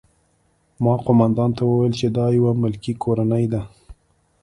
ما قومندان ته وویل چې دا یوه ملکي کورنۍ ده